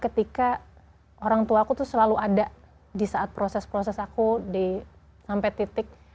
ketika orang tua aku tuh selalu ada di saat proses proses aku sampai titik